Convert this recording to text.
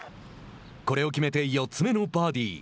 これを決めて４つ目のバーディー。